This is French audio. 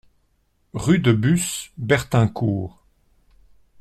Rue de Bus, Bertincourt